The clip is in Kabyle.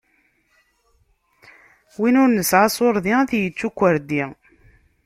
Win ur nesɛi asuṛdi, ad tyečč ukwerdi.